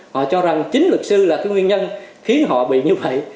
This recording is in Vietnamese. họ cho rằng chính luật sư là cái nguyên nhân khiến họ bị như vậy